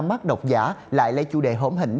mắt đọc giả lại lấy chủ đề hỗn hỉnh